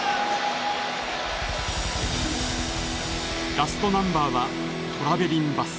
ラストナンバーは「トラベリン・バス」。